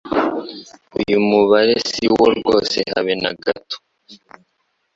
uyu mubare siwo rwose habe nagato